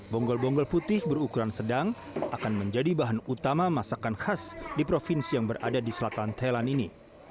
bonggol bonggol putih berukuran sedang akan menjadi bahan utama masakan khas di provinsi yang berada di selatan thailand ini